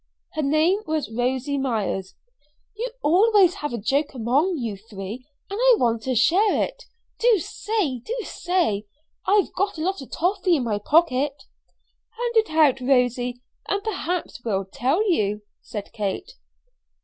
Her name was Rosy Myers. "You always have a joke among you three, and I want to share it. Do say do say! I've got a lot of toffee in my pocket." "Hand it out, Rosy, and perhaps we'll tell you," said Kate.